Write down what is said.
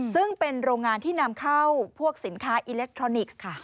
ซึ่งเป็นโรงงานที่นำเข้าพวกสินค้าอิเล็กทรอนิกส์ค่ะ